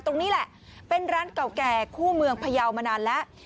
ตรงนี้แหละเป็นร้านเก่าแก่คู่เมืองพยาวมานานแล้ว